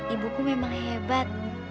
ibu ku memang hebat